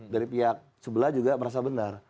dari pihak sebelah juga merasa benar